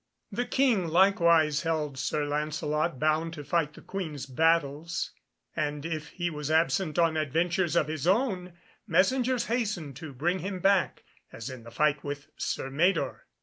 The King likewise held Sir Lancelot bound to fight the Queen's battles, and if he was absent on adventures of his own, messengers hastened to bring him back, as in the fight with Sir Mador.